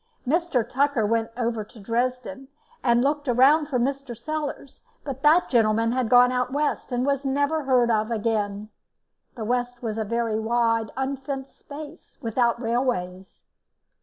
Mr. Tucker went over to Dresden and looked around for Mr. Sellars, but that gentleman had gone out west, and was never heard of again. The west was a very wide unfenced space, without railways.